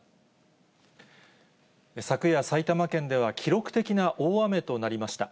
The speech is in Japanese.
昨夜、埼玉県では記録的な大雨となりました。